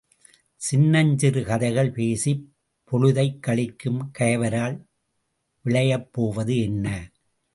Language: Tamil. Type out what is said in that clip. சின்னஞ்சிறு கதைகள் பேசிப் பொழுதைக் கழிக்கும் கயவரால் விளையப் போவது என்ன?